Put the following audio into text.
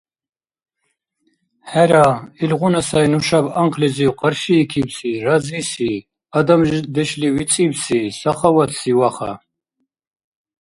Хӏера, илгъуна сайри нушаб анхълизив къаршиикибси разиси, адамдешли вицӏибси, сахаватси Ваха.